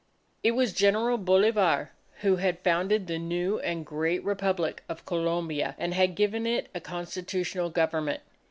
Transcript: It was General Bolivar who had founded the new and great Republic of Colombia, and had given it a constitutional government.